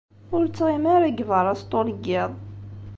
Ur ttɣimi ara deg beṛṛa sṭul n yiḍ.